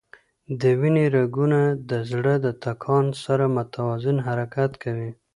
د وینې رګونه د زړه د ټکان سره متوازن حرکت کوي.